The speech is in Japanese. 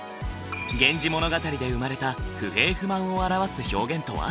源氏物語で生まれた不平不満を表す表現とは？